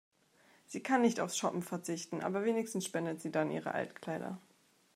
Sie kann nicht aufs Shoppen verzichten, aber wenigstens spendet sie dann ihre Altkleider.